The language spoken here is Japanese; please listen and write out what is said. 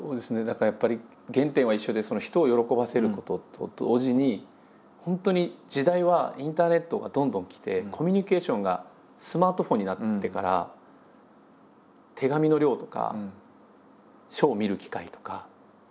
だからやっぱり原点は一緒で人を喜ばせることと同時に本当に時代はインターネットがどんどん来てコミュニケーションがスマートフォンになってから手紙の量とか書を見る機会とか。